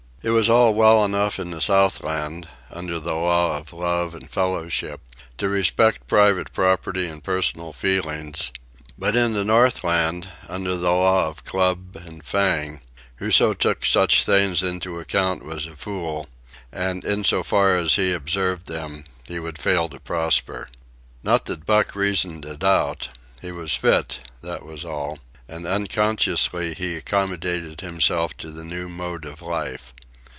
It was all well enough in the Southland, under the law of love and fellowship, to respect private property and personal feelings; but in the Northland, under the law of club and fang, whoso took such things into account was a fool, and in so far as he observed them he would fail to prosper. Not that Buck reasoned it out. He was fit, that was all, and unconsciously he accommodated himself to the new mode of life.